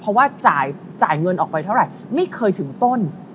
เพราะว่าจ่ายเงินออกไปเท่าไหร่ไม่เคยถึงต้น